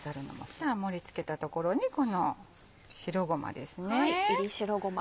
じゃあ盛り付けたところにこの白ごまです。